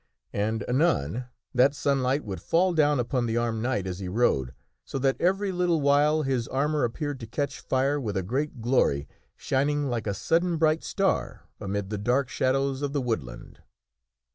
And, anon, that sunlight would fall down upon es t with great joy the armed knight as he rode, so that every little while his and delight. armor appeared to catch fire with a great glory, shining like a sudden bright star amid the dark shadows of the woodland.